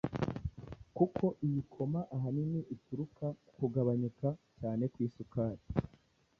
kuko iyi coma ahanini ituruka ku kugabanyuka cyane kw’isukari